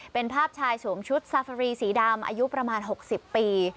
เป็นภาพชายสวมชุดซาฟารีสีดำอายุประมาณ๖๐ปี